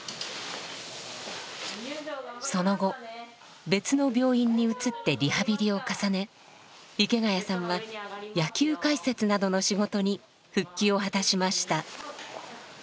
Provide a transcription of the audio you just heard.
その後別の病院に移ってリハビリを重ね池谷さんは野球解説などの仕事に復帰を果たしました。